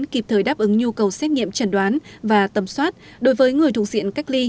kịp thời đáp ứng nhu cầu xét nghiệm chẩn đoán và tầm soát đối với người thuộc diện cách ly